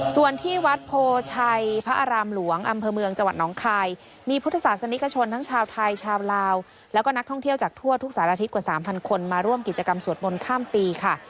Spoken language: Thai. ส่วนที่วัดโพชัยพระอารามหลวงอำเภอเมืองจังหวัดน้องคายมีพุทธศาสนิกชนทั้งชาวไทยชาวลาวแล้วก็นักท่องเที่ยวจากทั่วทุกสารทิศกว่า๓๐๐คนมาร่วมกิจกรรมสวดมนต์ข้ามปีค่ะ